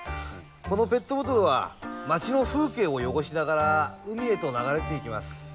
このペットボトルは街の風景を汚しながら海へと流れていきます。